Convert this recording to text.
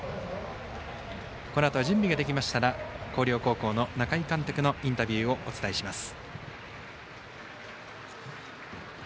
このあと準備ができましたら広陵高校の中井監督のインタビューをお伝えします。